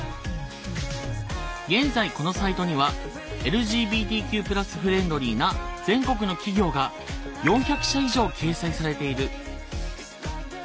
現在このサイトにはＬＧＢＴＱ＋フレンドリーな全国の企業が４００社以上掲載されている。